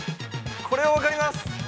◆これは分かります。